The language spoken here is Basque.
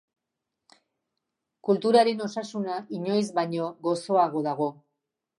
Kulturaren osasuna inoiz baino gozoago dago.